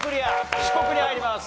四国に入ります。